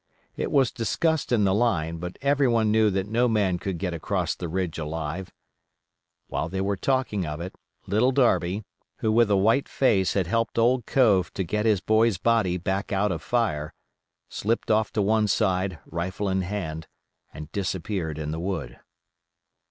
It was discussed in the line; but everyone knew that no man could get across the ridge alive. While they were talking of it Little Darby, who, with a white face, had helped old Cove to get his boy's body back out of fire, slipped off to one side, rifle in hand, and disappeared in the wood.